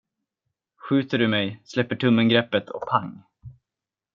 Skjuter du mig, släpper tummen greppet och pang.